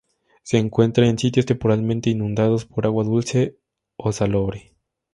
Se encuentra en sitios temporalmente inundados por agua dulce o salobre.